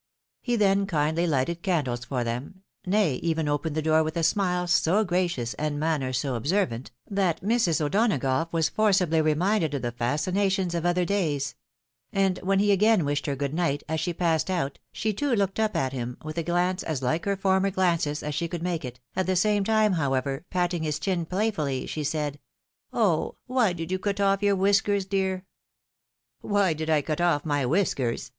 He then kindly lighted candles for them, nay, even opened the door with a smile so gracious, and manner so observant, that Mrs. O'Donagough was forcibly reminded of the fascinations of other days ; and when he again wished her good night, as she passed out, she too looked up at him, with a glance as like her forfner glances as she could make it, at th e same time, however, pat ting his chin playfully, she said, " Oh ! why did you cut off your whiskers, dear ?"" Why did I cut off my whiskers